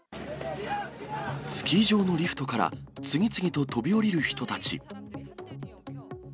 スキー場のリフトから、次々と飛び降りる人たち。